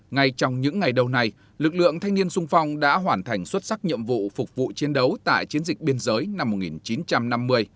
ngay trong những ngày đầu này lực lượng thanh niên sung phong đã hoàn thành xuất sắc nhiệm vụ phục vụ chiến đấu tại chiến dịch biên giới năm một nghìn chín trăm năm mươi